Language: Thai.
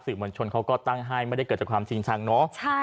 มวลชนเขาก็ตั้งให้ไม่ได้เกิดจากความจริงชังเนาะ